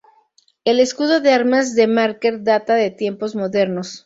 El escudo de armas de Marker data de tiempos modernos.